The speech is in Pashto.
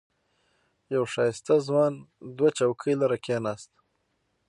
یو ښایسته ځوان دوه چوکۍ لرې کېناست.